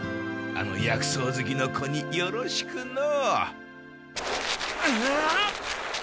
あの薬草ずきの子によろしくの。